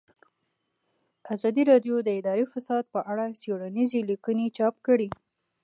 ازادي راډیو د اداري فساد په اړه څېړنیزې لیکنې چاپ کړي.